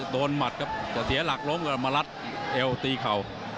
โดนหมัดครับจะเสียหลักลงกับมะลัดเอวตีเข่า